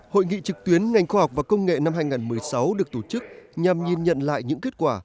hội nghị trực tuyến ngành khoa học và công nghệ năm hai nghìn một mươi sáu được tổ chức nhằm nhìn nhận lại những kết quả